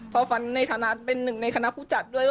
พอฝันในฐานะเป็นหนึ่งในคณะผู้จัดด้วย